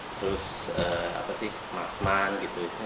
terus maxman gitu